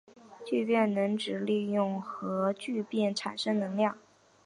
聚变能指利用核聚变产生能量。